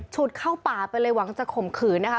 ดเข้าป่าไปเลยหวังจะข่มขืนนะคะ